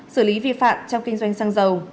xử lý vi phạm trong kinh doanh xăng dầu